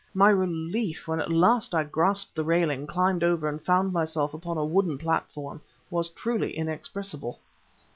My relief when at last I grasped the railing, climbed over, and found myself upon a wooden platform, was truly inexpressible.